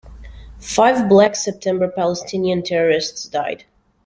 Five Black September Palestinian terrorists died.